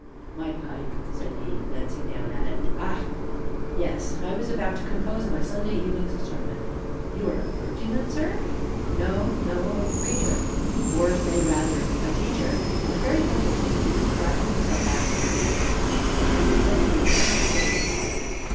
"My pipe!" said he, glancing down at it; "ah! yes I was about to compose my Sunday evening's sermon." "You are a clergyman, sir?" "No, no a preacher or say rather a teacher, and a very humble one, who, striving himself after Truth, seeks to lend such aid to others as he may."